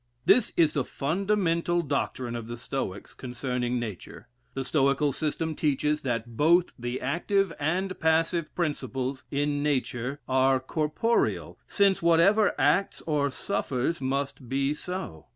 This is the fundamental doctrine of the Stoics concerning nature....The Stoical system teaches, that both the active and passive principles in nature are corporeal, since whatever acts or suffers must be so.